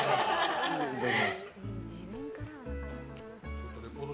いただきます。